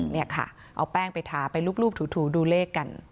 นี่ค่ะเอาแป้งไปทาไปรูปถูดูเลขกัน